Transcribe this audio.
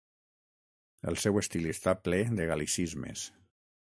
El seu estil està ple de gal·licismes.